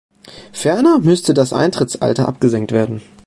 Ferner müsste das Eintrittsalter abgesenkt werden.